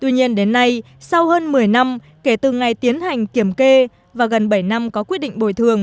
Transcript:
tuy nhiên đến nay sau hơn một mươi năm kể từ ngày tiến hành kiểm kê và gần bảy năm có quyết định bồi thường